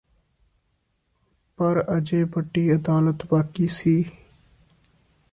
ਪਰ ਅਜੇ ਵੱਡੀ ਅਦਾਲਤ ਬਾਕੀ ਸੀ